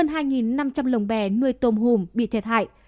hơn hai năm trăm linh lồng bè nuôi tôm hùm bị thiệt hại